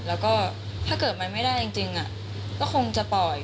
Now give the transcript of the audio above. แล้วก็ถ้าเกิดมันไม่ได้จริงก็คงจะปล่อย